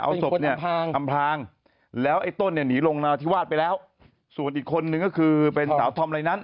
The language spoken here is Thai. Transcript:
เอาศพเนี่ยอำพลางแล้วไอ้ต้นเนี่ยหนีลงนาธิวาสไปแล้วส่วนอีกคนนึงก็คือเป็นสาวธอมอะไรนั้น